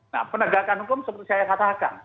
nah penegakan hukum seperti saya katakan